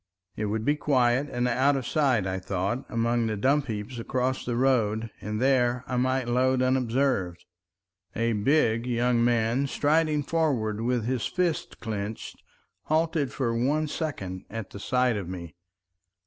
It would be quiet and out of sight, I thought, among the dump heaps across the road, and there I might load unobserved. .. A big young man striding forward with his fists clenched, halted for one second at the sight of me.